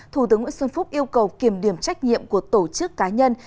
thủ tướng nguyễn xuân phúc yêu cầu kiểm điểm trách nhiệm của tổ chức cá nhân